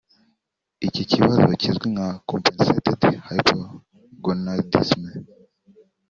Iki kibazo kizwi nka ‘compensated hypogonadism’